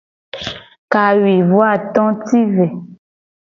Kawuivoato ti ve.